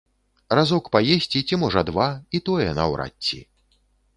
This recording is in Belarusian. Разок паесці, ці можа два, і тое, наўрад ці.